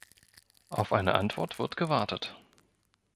Auf eine Antwort wird gewartet.